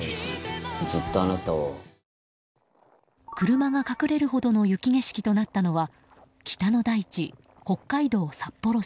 車が隠れるほどの雪景色となったのは北の大地、北海道札幌市。